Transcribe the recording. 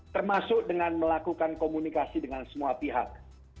termasuk dengan melakukan komunikasi dengan semua pihak